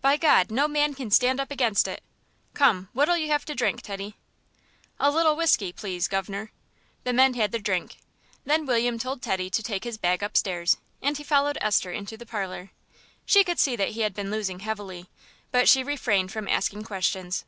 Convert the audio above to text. By God, no man can stand up against it. Come, what'll you have to drink, Teddy?" "A little whisky, please, guv'nor." The men had their drink. Then William told Teddy to take his bag upstairs, and he followed Esther into the parlour. She could see that he had been losing heavily, but she refrained from asking questions.